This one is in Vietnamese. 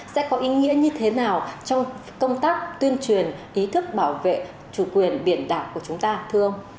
sẽ có ý nghĩa như thế nào trong công tác tuyên truyền ý thức bảo vệ chủ quyền biển đảo của chúng ta thưa ông